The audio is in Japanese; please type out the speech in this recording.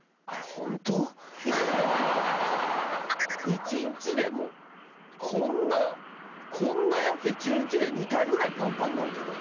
１日でもうこんなこんなやつ１日で２回ぐらいパンパンになるけど。